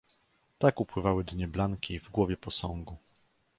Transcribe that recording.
"Tak upływały dnie Blanki w głowie posągu."